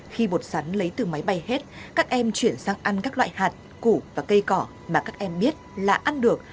khi bột sắn lấy từ máy bay hết các em chuyển sang ăn các loại hạt củ và cây cỏ mà các em biết là ăn được